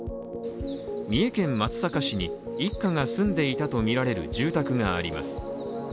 三重県松阪市に一家が住んでいたとみられる住宅があります。